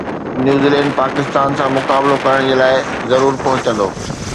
New Zealand Pakistan سان مقابلو ڪرڻ جي لاءِ ضرور پهچندو